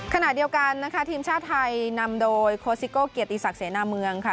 ขนาดเดียวกันนะคะทีมชาติไทยนำโดยโคสิโกรสเขียนอิสากเสนามเมืองค่ะ